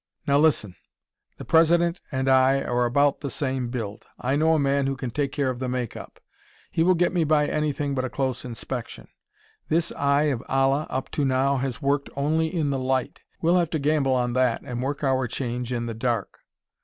"Now listen The President and I are about the same build. I know a man who can take care of the make up; he will get me by anything but a close inspection. This Eye of Allah, up to now, has worked only in the light. We'll have to gamble on that and work our change in the dark.